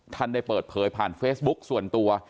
ท่านได้เปิดเผยผ่านเฟซบุ๊กส่วนตัว